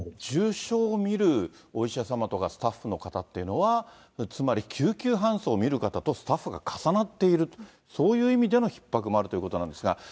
重症を診るお医者様とかスタッフの方っていうのは、つまり、救急搬送を診る方とスタッフが重なっている、そういう意味でのひっ迫もあるということなんですが。